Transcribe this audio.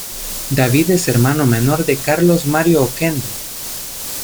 David es hermano menor de Carlos Mario Oquendo.